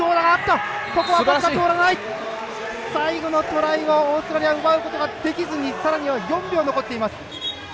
最後のトライはオーストラリア奪うことができずにさらには４秒残っています！